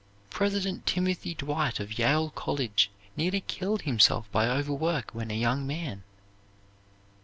President Timothy Dwight of Yale College nearly killed himself by overwork when a young man.